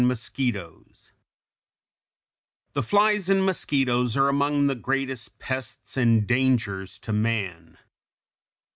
] The flies and mosquitoes are among the greatest pests and dangers to man.